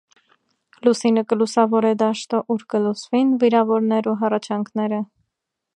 Լուսինը կը լուսաւորէ դաշտը, ուր կը լսուին վիրաւորներու հառաչանքները։